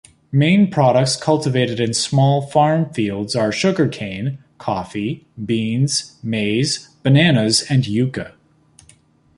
Main products cultivated in small farmfields are sugarcane, coffee, beans, maize, bananas and yuca.